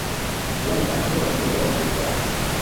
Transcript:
yaani anapenda kutembea mataifa ya